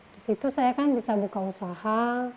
disitu saya kan bisa buka usaha